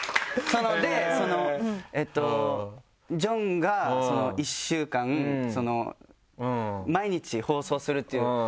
でそのえっとジョンが１週間毎日放送するっていう。